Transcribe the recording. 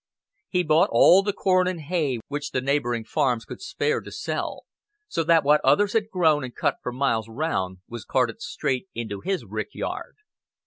He bought all the corn and hay which the neighboring farms could spare to sell, so that what others had grown and cut for miles round was carted straight into his rick yard.